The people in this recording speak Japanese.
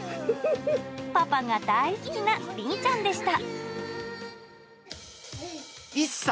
パパが大好きな凛ちゃんでした。